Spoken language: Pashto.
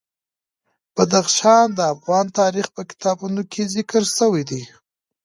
بدخشان د افغان تاریخ په کتابونو کې ذکر شوی دي.